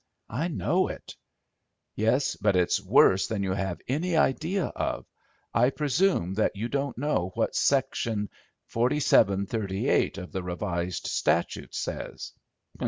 "I know it." "Yes, but it's worse than you have any idea of. I presume that you don't know what section 4738 of the Revised Statutes says?"